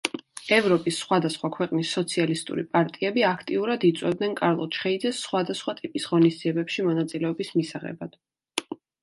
ევროპის სხვადასხვა ქვეყნის სოციალისტური პარტიები აქტიურად იწვევდნენ კარლო ჩხეიძეს სხვადასხვა ტიპის ღონისძიებებში მონაწილეობის მისაღებად.